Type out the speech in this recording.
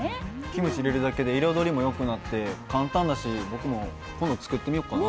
キムチ入れるだけで彩りも良くなって簡単だし僕も今度作ってみようかな。